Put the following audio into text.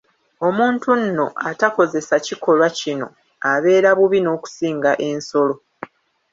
Omuntu nno atakozesa kikolwa kino, abeera bubi n'okusinga ensolo.